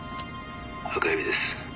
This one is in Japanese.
「赤蛇です」。